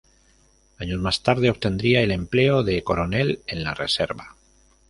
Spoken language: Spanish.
Años más tarde obtendría el empleo de Coronel en la Reserva.